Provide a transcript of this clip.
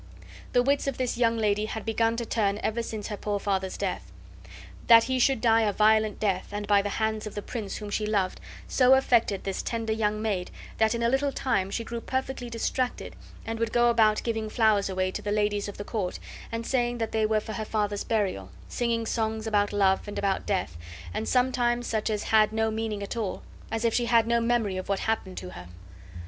The wits of this young lady had begun to turn ever since her poor father's death. That he should die a violent death, and by the hands of the prince whom she loved, so affected this tender young maid that in a little time she grew perfectly distracted, and would go about giving flowers away to the ladies of the court, and saying that they were for her father's burial, singing songs about love and about death, and sometimes such as had no meaning at all, as if she had no memory of what happened to her.